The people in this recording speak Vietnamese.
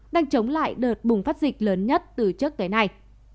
đang chống lại đợt bùng phát dịch lớn nhất từ trước tới nay